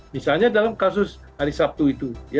misalnya dalam kasus hari sabtu itu